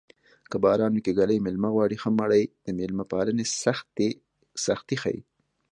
که باران وي که ږلۍ مېلمه غواړي ښه مړۍ د مېلمه پالنې سختي ښيي